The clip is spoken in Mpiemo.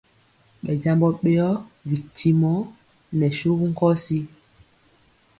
Ɓɛ jambɔ ɓeyɔ bitimɔ nɛ suwu nkɔsi.